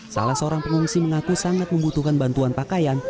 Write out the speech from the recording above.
salah seorang pengungsi mengaku sangat membutuhkan bantuan pakaian